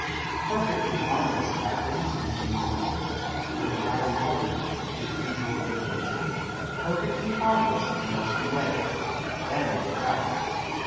"Perfectly harmless, captain," continued uncle, who had now recovered his usual good nature. "Perfectly harmless unless you wet it. Then look out."